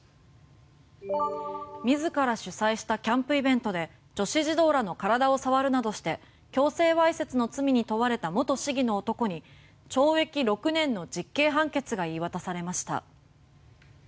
自ら主催したキャンプイベントで女子児童らの体を触るなどして強制わいせつの罪に問われた元市議の男に懲役６年の実刑判決が言い渡されました。